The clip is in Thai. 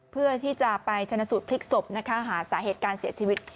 เพื่อที่จะไปชนะสูตรพลิกศพนะคะหาสาเหตุการเสียชีวิต